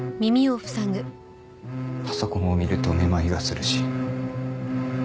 パソコンを見ると目まいがするし。